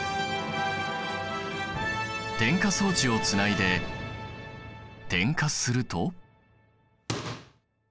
点火装置をつないで点火すると。